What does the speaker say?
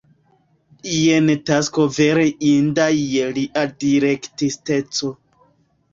Jen tasko vere inda je lia direktisteco.